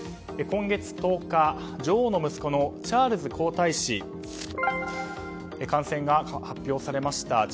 今月１０日、女王の息子のチャールズ皇太子の感染が発表されました。